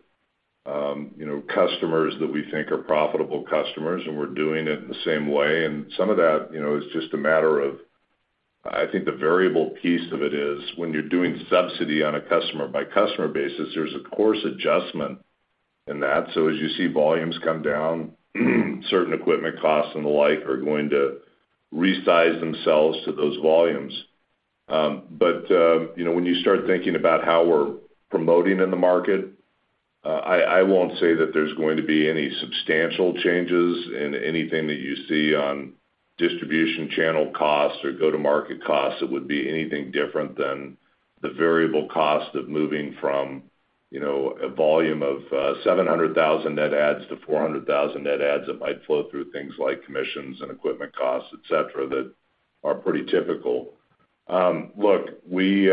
you know, customers that we think are profitable customers, and we're doing it the same way. Some of that, you know, is just a matter of, I think the variable piece of it is when you're doing subsidy on a customer-by-customer basis, there's a course adjustment in that. As you see volumes come down, certain equipment costs and the like are going to resize themselves to those volumes. You know, when you start thinking about how we're promoting in the market, I won't say that there's going to be any substantial changes in anything that you see on distribution channel costs or go-to-market costs that would be anything different than the variable cost of moving from, you know, a volume of 700,000 net adds to 400,000 net adds that might flow through things like commissions and equipment costs, etc., that are pretty typical. Look, we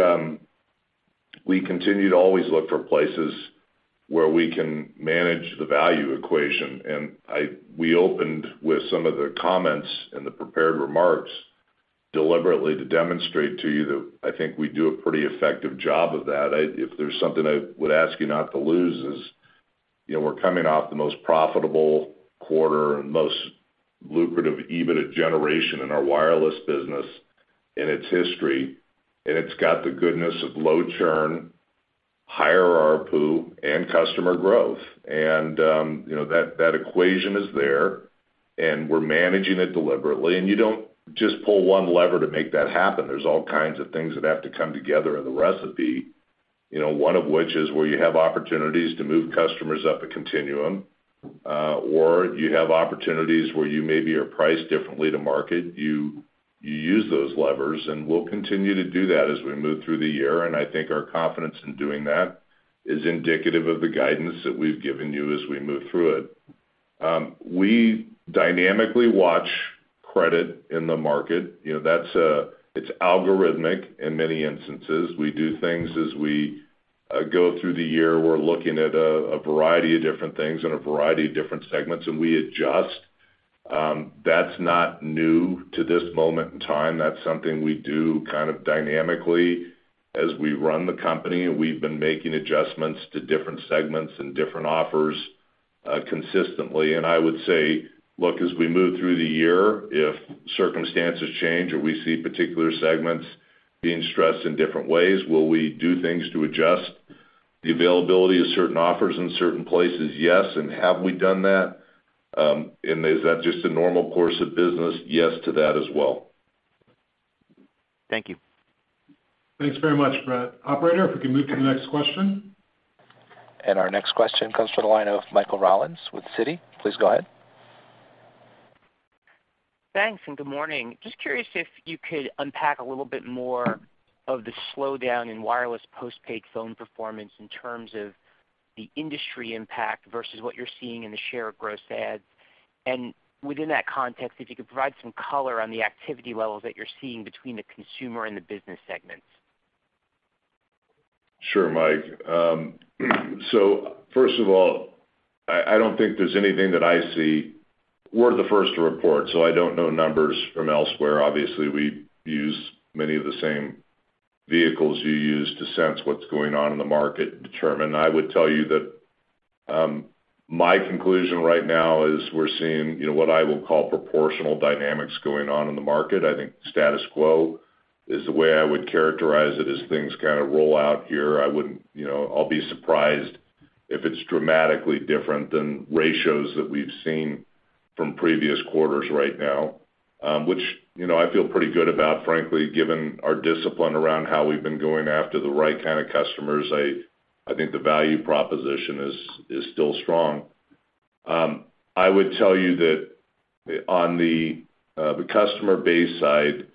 continue to always look for places where we can manage the value equation. We opened with some of the comments in the prepared remarks deliberately to demonstrate to you that I think we do a pretty effective job of that. If there's something I would ask you not to lose is, you know, we're coming off the most profitable quarter and most lucrative EBITDA generation in our wireless business in its history, and it's got the goodness of low churn, higher ARPU, and customer growth. You know, that equation is there, and we're managing it deliberately, and you don't just pull one lever to make that happen. There's all kinds of things that have to come together in the recipe, you know, one of which is where you have opportunities to move customers up a continuum, or you have opportunities where you maybe are priced differently to market. You use those levers, and we'll continue to do that as we move through the year. I think our confidence in doing that is indicative of the guidance that we've given you as we move through it. We dynamically watch credit in the market. You know, it's algorithmic in many instances. We do things as we go through the year. We're looking at a variety of different things in a variety of different segments, and we adjust. That's not new to this moment in time. That's something we do kind of dynamically as we run the company. We've been making adjustments to different segments and different offers, consistently. I would say, look, as we move through the year, if circumstances change or we see particular segments being stressed in different ways, will we do things to adjust the availability of certain offers in certain places? Yes. Have we done that? Is that just a normal course of business? Yes to that as well. Thank you. Thanks very much, Brett. Operator, if we can move to the next question. Our next question comes from the line of Michael Rollins with Citi. Please go ahead. Thanks, good morning. Just curious if you could unpack a little bit more of the slowdown in wireless postpaid phone performance in terms of the industry impact versus what you're seeing in the share of gross adds. Within that context, if you could provide some color on the activity levels that you're seeing between the consumer and the business segments. Sure, Mike. First of all, I don't think there's anything that I see. We're the first to report, I don't know numbers from elsewhere. Obviously, we use many of the same vehicles you use to sense what's going on in the market to determine. I would tell you that my conclusion right now is we're seeing, you know, what I will call proportional dynamics going on in the market. I think status quo is the way I would characterize it as things kind of roll out here. I wouldn't. You know, I'll be surprised if it's dramatically different than ratios that we've seen from previous quarters right now, which, you know, I feel pretty good about, frankly, given our discipline around how we've been going after the right kind of customers. I think the value proposition is still strong. I would tell you that on the customer base side,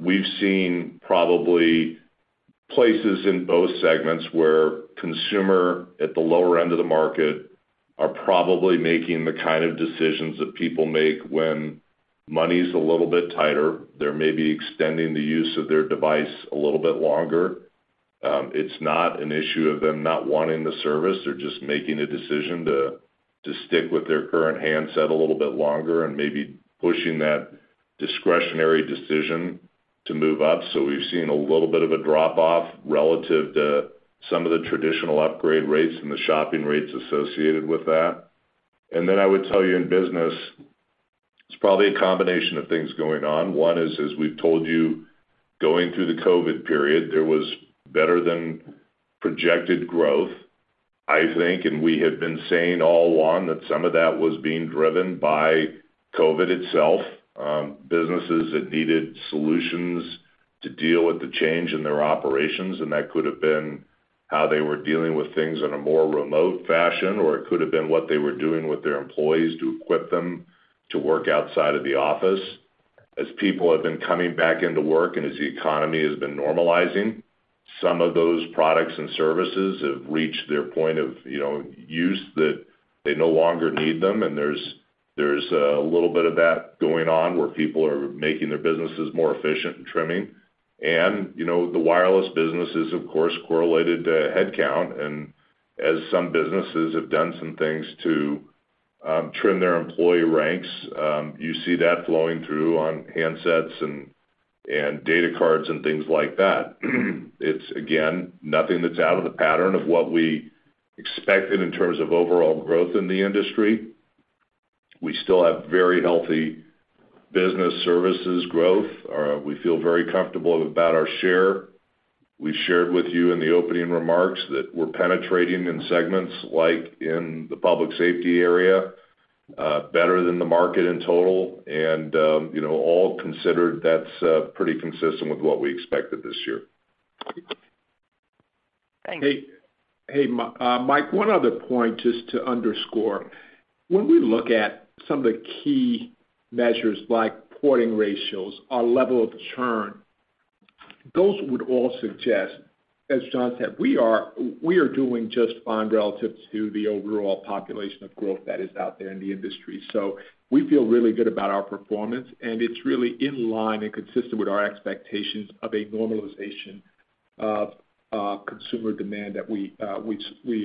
we've seen probably places in both segments where consumer at the lower end of the market are probably making the kind of decisions that people make when money's a little bit tighter. They may be extending the use of their device a little bit longer. It's not an issue of them not wanting the service. They're just making a decision to stick with their current handset a little bit longer and maybe pushing that discretionary decision to move up. We've seen a little bit of a drop-off relative to some of the traditional upgrade rates and the shopping rates associated with that. I would tell you in business, it's probably a combination of things going on. One is, as we've told you, going through the COVID period, there was better than projected growth, I think. We have been saying all along that some of that was being driven by COVID itself, businesses that needed solutions to deal with the change in their operations. That could have been how they were dealing with things in a more remote fashion, or it could have been what they were doing with their employees to equip them to work outside of the office. As people have been coming back into work and as the economy has been normalizing, some of those products and services have reached their point of, you know, use that they no longer need them. There's a little bit of that going on, where people are making their businesses more efficient and trimming. you know, the wireless business is, of course, correlated to headcount. As some businesses have done some things to trim their employee ranks, you see that flowing through on handsets and data cards and things like that. It's again, nothing that's out of the pattern of what we expected in terms of overall growth in the industry. We still have very healthy business services growth. We feel very comfortable about our share. We shared with you in the opening remarks that we're penetrating in segments, like in the public safety area, better than the market in total. you know, all considered, that's pretty consistent with what we expected this year. Thanks. Hey, hey, Mike, one other point just to underscore. When we look at some of the key measures like porting ratios, our level of churn, those would all suggest, as John said, we are doing just fine relative to the overall population of growth that is out there in the industry. We feel really good about our performance, and it's really in line and consistent with our expectations of a normalization of consumer demand that we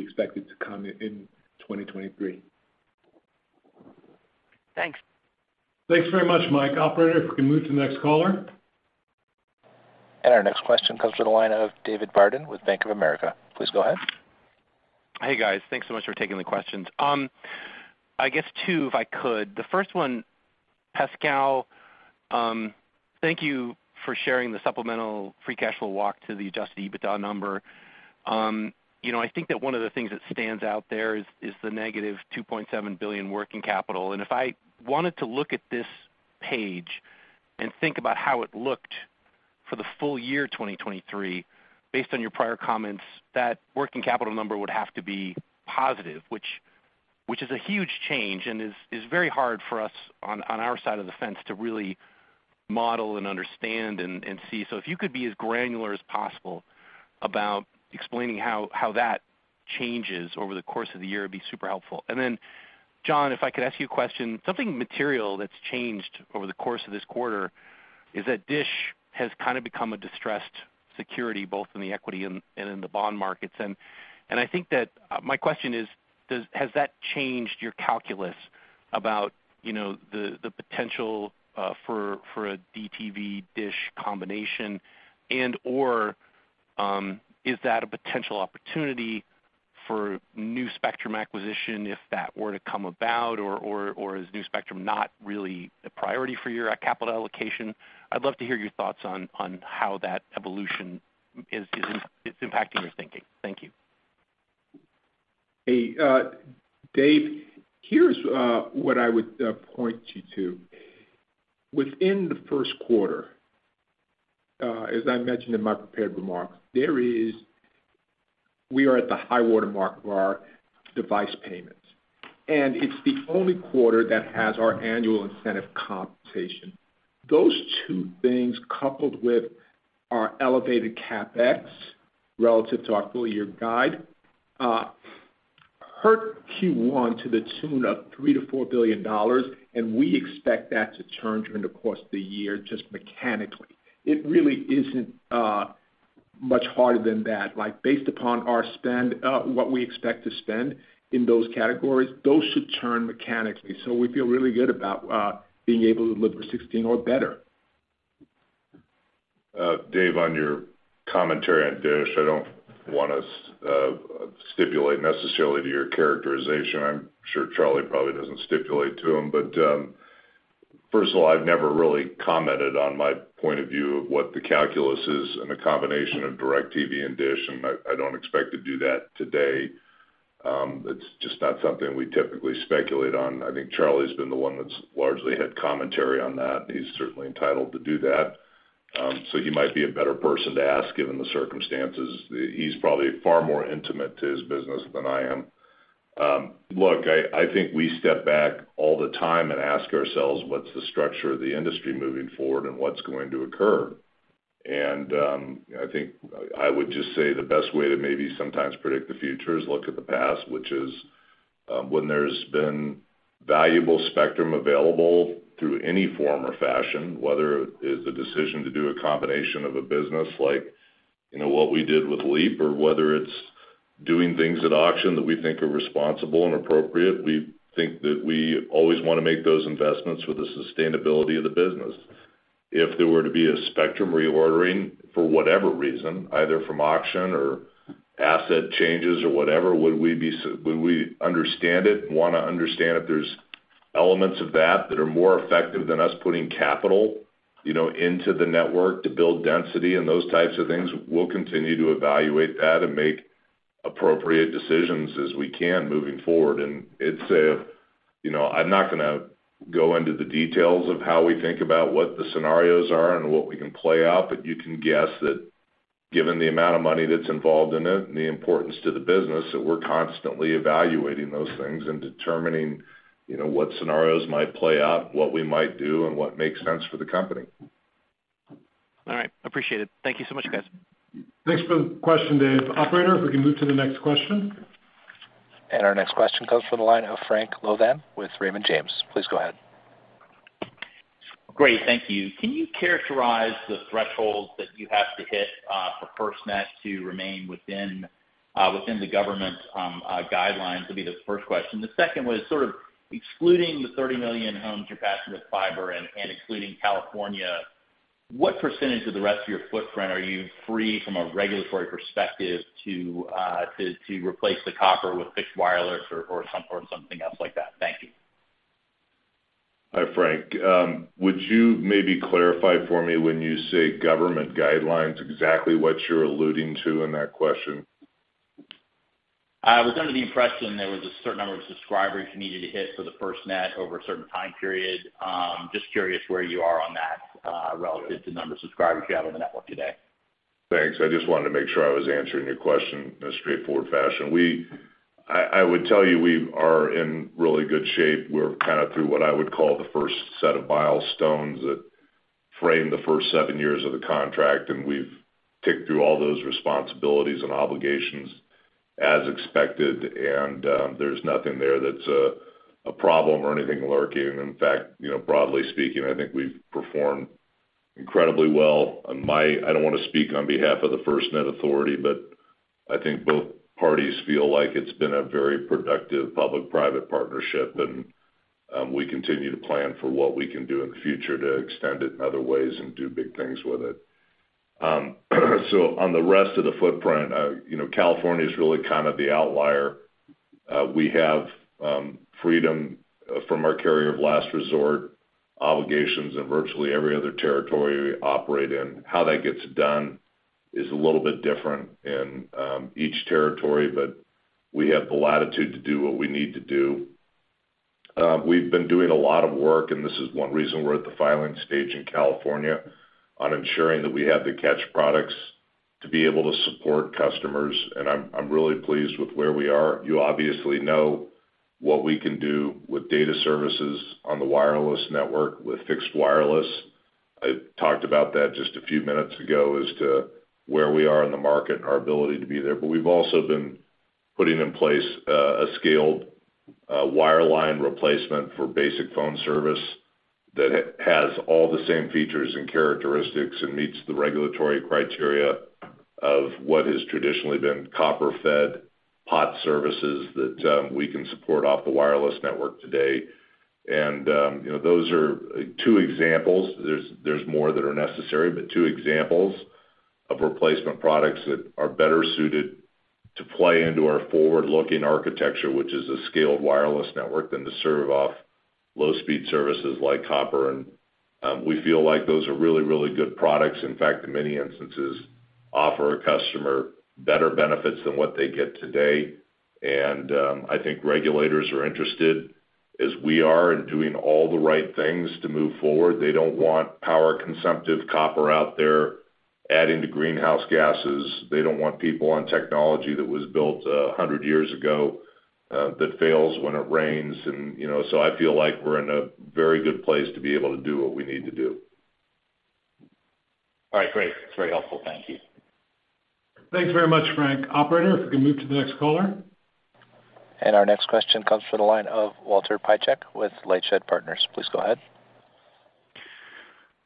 expected to come in in 2023. Thanks. Thanks very much, Mike. Operator, if we can move to the next caller. Our next question comes from the line of David Barden with Bank of America. Please go ahead. Hey, guys. Thanks so much for taking the questions. I guess two, if I could. The first one, Pascal, thank you for sharing the supplemental free cash flow walk to the adjusted EBITDA number. You know, I think that one of the things that stands out there is the -$2.7 billion working capital. If I wanted to look at this page and think about how it looked for the full year 2023, based on your prior comments, that working capital number would have to be positive, which is a huge change and is very hard for us on our side of the fence to really model and understand and see. If you could be as granular as possible about explaining how that changes over the course of the year would be super helpful. John, if I could ask you a question. Something material that's changed over the course of this quarter is that Dish has kind of become a distressed security, both in the equity and in the bond markets. I think that My question is, has that changed your calculus about the potential for a DTV-Dish combination? Or, is that a potential opportunity for new spectrum acquisition if that were to come about, or is new spectrum not really a priority for your capital allocation? I'd love to hear your thoughts on how that evolution is impacting your thinking. Thank you. Hey, Dave, here's what I would point you to. Within the Q1, as I mentioned in my prepared remarks, we are at the high-water mark of our device payments. It's the only quarter that has our annual incentive compensation. Those two things, coupled with our elevated CapEx relative to our full year guide, hurt Q1 to the tune of $3 billion-$4 billion, we expect that to turn during the course of the year just mechanically. It really isn't much harder than that. Like, based upon our spend, what we expect to spend in those categories, those should turn mechanically. We feel really good about being able to deliver 16 or better. Dave, on your commentary on Dish, I don't wanna stipulate necessarily to your characterization. I'm sure Charlie probably doesn't stipulate to them. First of all, I've never really commented on my point of view of what the calculus is and the combination of DirecTV and Dish, and I don't expect to do that today. That's just not something we typically speculate on. I think Charlie's been the one that's largely had commentary on that. He's certainly entitled to do that. He might be a better person to ask, given the circumstances. He's probably far more intimate to his business than I am. Look, I think we step back all the time and ask ourselves, what's the structure of the industry moving forward and what's going to occur? I think I would just say the best way to maybe sometimes predict the future is look at the past, which is, when there's been valuable spectrum available through any form or fashion, whether it is the decision to do a combination of a business like, you know, what we did with Leap, or whether it's doing things at auction that we think are responsible and appropriate, we think that we always wanna make those investments with the sustainability of the business. If there were to be a spectrum reordering for whatever reason, either from auction or asset changes or whatever, would we understand it and wanna understand if there's elements of that that are more effective than us putting capital, you know, into the network to build density and those types of things, we'll continue to evaluate that and make appropriate decisions as we can moving forward. It's, you know, I'm not gonna go into the details of how we think about what the scenarios are and what we can play out, but you can guess that given the amount of money that's involved in it and the importance to the business, that we're constantly evaluating those things and determining, you know, what scenarios might play out, what we might do, and what makes sense for the company. All right. Appreciate it. Thank you so much, guys. Thanks for the question, Dave. Operator, if we can move to the next question. Our next question comes from the line of Frank Louthan with Raymond James. Please go ahead. Great. Thank you. Can you characterize the thresholds that you have to hit for FirstNet to remain within the government's guidelines, will be the first question. The second was sort of excluding the 30 million homes you're passing with fiber and excluding California, what percentage of the rest of your footprint are you free from a regulatory perspective to replace the copper with fixed wireless or something else like that? Thank you. Hi, Frank. Would you maybe clarify for me when you say government guidelines, exactly what you're alluding to in that question? I was under the impression there was a certain number of subscribers you needed to hit for the FirstNet over a certain time period. Just curious where you are on that, relative to the number of subscribers you have on the network today? Thanks. I just wanted to make sure I was answering your question in a straightforward fashion. I would tell you we are in really good shape. We're kinda through what I would call the first set of milestones that frame the first seven years of the contract, and we've ticked through all those responsibilities and obligations as expected. There's nothing there that's a problem or anything lurking. In fact, you know, broadly speaking, I think we've performed incredibly well. I don't wanna speak on behalf of the FirstNet Authority, but I think both parties feel like it's been a very productive public-private partnership, and we continue to plan for what we can do in the future to extend it in other ways and do big things with it. On the rest of the footprint, you know, California is really kind of the outlier. We have freedom from our carrier of last resort obligations in virtually every other territory we operate in. How that gets done is a little bit different in each territory, but we have the latitude to do what we need to do. We've been doing a lot of work, and this is one reason we're at the filing stage in California on ensuring that we have the catch products to be able to support customers, and I'm really pleased with where we are. You obviously know what we can do with data services on the wireless network with fixed wireless. I talked about that just a few minutes ago as to where we are in the market and our ability to be there. We've also been putting in place a scaled wireline replacement for basic phone service that has all the same features and characteristics and meets the regulatory criteria of what has traditionally been copper-fed POTS services that we can support off the wireless network today. You know, those are two examples. There's more that are necessary, but two examples of replacement products that are better suited to play into our forward-looking architecture, which is a scaled wireless network than to serve off low speed services like copper. We feel like those are really, really good products. In fact, in many instances, offer a customer better benefits than what they get today. I think regulators are interested, as we are in doing all the right things to move forward, they don't want power-consumptive copper out there adding to greenhouse gases. They don't want people on technology that was built 100 years ago, that fails when it rains and, you know. I feel like we're in a very good place to be able to do what we need to do. All right, great. That's very helpful. Thank you. Thanks very much, Frank. Operator, if we can move to the next caller. Our next question comes from the line of Walter Piecyk with Lightshed Partners. Please go ahead.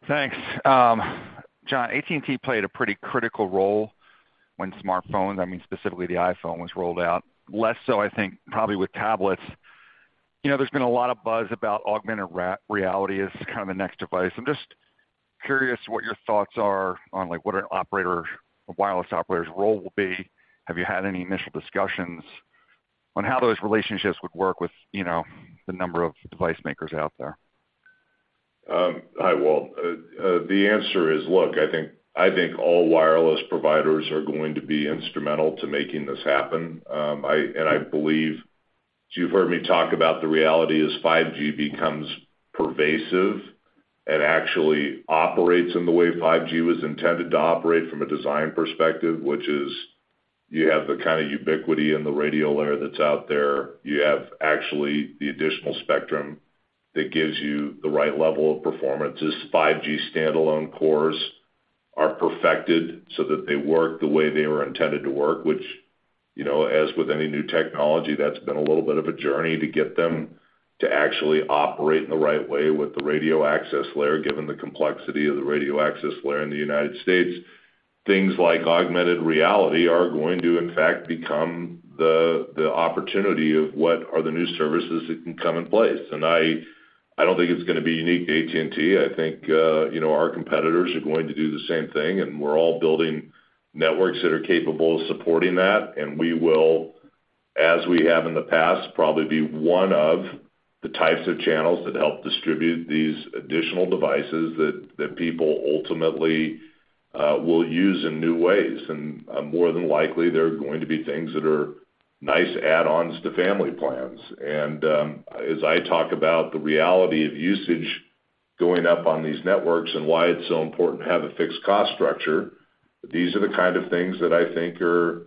Thanks. John, AT&T played a pretty critical role when smartphones, I mean, specifically the iPhone, was rolled out. Less so I think probably with tablets. You know, there's been a lot of buzz about augmented reality as kind of the next device. I'm just curious what your thoughts are on, like, what an operator, a wireless operator's role will be. Have you had any initial discussions on how those relationships would work with, you know, the number of device makers out there? Hi, Walt. The answer is, look, I think all wireless providers are going to be instrumental to making this happen. I believe, you've heard me talk about the reality as 5G becomes pervasive and actually operates in the way 5G was intended to operate from a design perspective, which is you have the kind of ubiquity in the radio layer that's out there. You have actually the additional spectrum that gives you the right level of performance. As 5G standalone cores are perfected so that they work the way they were intended to work, which, you know, as with any new technology, that's been a little bit of a journey to get them to actually operate in the right way with the radio access layer, given the complexity of the radio access layer in the United States. Things like augmented reality are going to, in fact, become the opportunity of what are the new services that can come in place. I don't think it's gonna be unique to AT&T. I think, you know, our competitors are going to do the same thing, and we're all building networks that are capable of supporting that, and we will, as we have in the past, probably be one of the types of channels that help distribute these additional devices that people ultimately will use in new ways. More than likely, they're going to be things that are nice add-ons to family plans. As I talk about the reality of usage going up on these networks and why it's so important to have a fixed cost structure, these are the kind of things that I think are,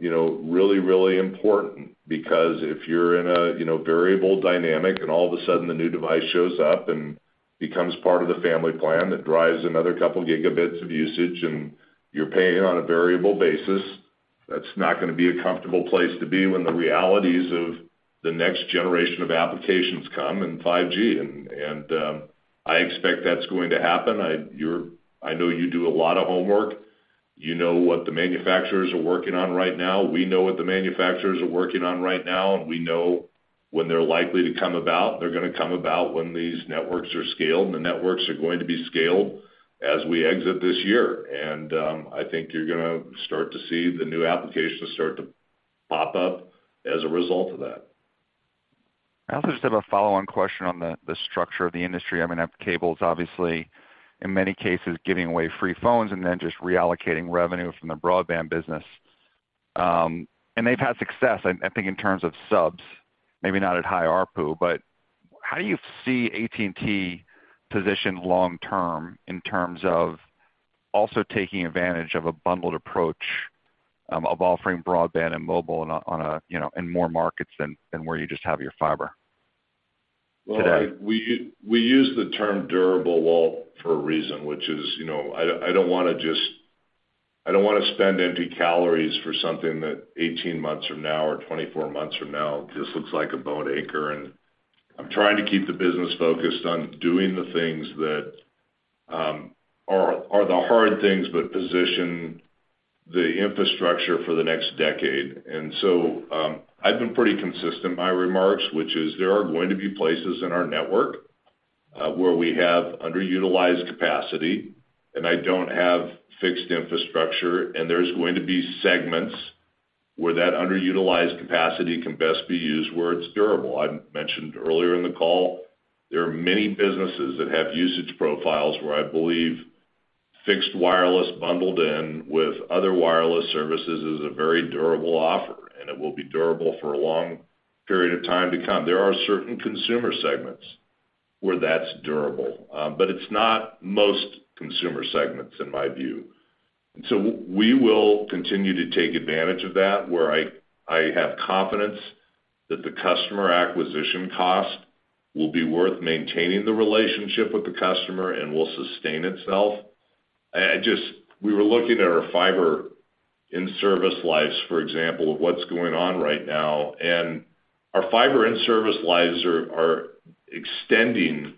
you know, really, really important. If you're in a, you know, variable dynamic and all of a sudden the new device shows up and becomes part of the family plan that drives another couple gigabits of usage and you're paying on a variable basis, that's not gonna be a comfortable place to be when the realities of the next generation of applications come and 5G, and I expect that's going to happen. I know you do a lot of homework. You know what the manufacturers are working on right now. We know what the manufacturers are working on right now, we know when they're likely to come about. They're gonna come about when these networks are scaled, the networks are going to be scaled as we exit this year. I think you're gonna start to see the new applications start to pop up as a result of that. I also just have a follow-on question on the structure of the industry. I mean, I have cables obviously, in many cases giving away free phones and then just reallocating revenue from the broadband business. They've had success, I think in terms of subs, maybe not at high ARPU, but how do you see AT&T positioned long term in terms of also taking advantage of a bundled approach, of offering broadband and mobile on a, you know, in more markets than where you just have your fiber today? Well, we use the term durable, Walt, for a reason, which is, you know, I don't wanna spend empty calories for something that 18 months from now or 24 months from now just looks like a bone anchor. I'm trying to keep the business focused on doing the things that are the hard things, but position the infrastructure for the next decade. I've been pretty consistent in my remarks, which is there are going to be places in our network where we have underutilized capacity and I don't have fixed infrastructure, and there's going to be segments where that underutilized capacity can best be used where it's durable. I mentioned earlier in the call, there are many businesses that have usage profiles where I believe fixed wireless bundled in with other wireless services is a very durable offer, and it will be durable for a long period of time to come. There are certain consumer segments where that's durable, it's not most consumer segments, in my view. We will continue to take advantage of that, where I have confidence that the customer acquisition cost will be worth maintaining the relationship with the customer and will sustain itself. We were looking at our fiber in-service lives, for example, of what's going on right now. Our fiber in-service lives are extending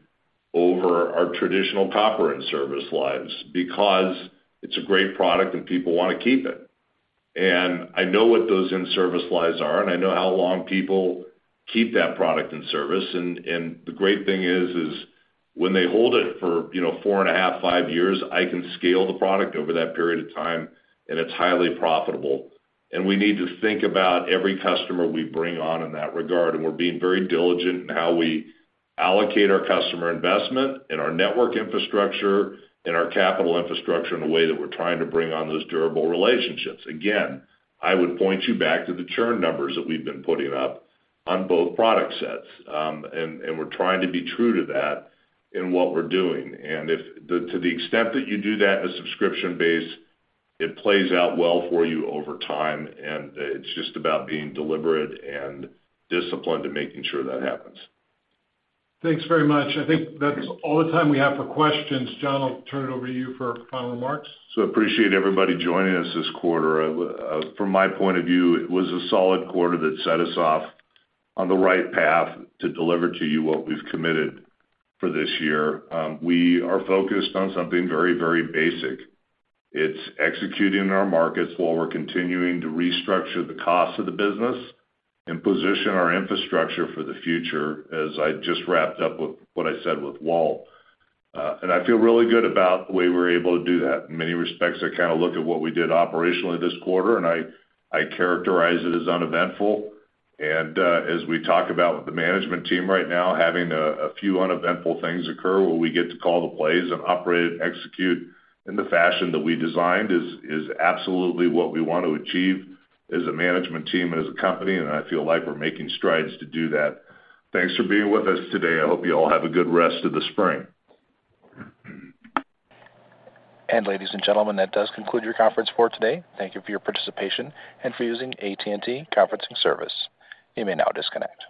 over our traditional copper in-service lives because it's a great product and people wanna keep it. I know what those in-service lives are, and I know how long people keep that product and service. The great thing is when they hold it for, you know, four and a half, five years, I can scale the product over that period of time and it's highly profitable. We need to think about every customer we bring on in that regard, and we're being very diligent in how we allocate our customer investment in our network infrastructure, in our capital infrastructure in a way that we're trying to bring on those durable relationships. I would point you back to the churn numbers that we've been putting up on both product sets. We're trying to be true to that in what we're doing. If the, to the extent that you do that in a subscription base, it plays out well for you over time, it's just about being deliberate and disciplined and making sure that happens. Thanks very much. I think that's all the time we have for questions. John, I'll turn it over to you for final remarks. Appreciate everybody joining us this quarter. From my point of view, it was a solid quarter that set us off on the right path to deliver to you what we've committed for this year. We are focused on something very, very basic. It's executing in our markets while we're continuing to restructure the cost of the business and position our infrastructure for the future, as I just wrapped up with what I said with Walt. I feel really good about the way we're able to do that. In many respects, I kinda look at what we did operationally this quarter, and I characterize it as uneventful. As we talk about with the management team right now, having a few uneventful things occur where we get to call the plays and operate and execute in the fashion that we designed is absolutely what we want to achieve as a management team and as a company, and I feel like we're making strides to do that. Thanks for being with us today. I hope you all have a good rest of the spring. Ladies and gentlemen, that does conclude your conference for today. Thank you for your participation and for using AT&T Conferencing Service. You may now disconnect.